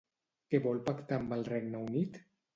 Què vol pactar amb el Regne Unit?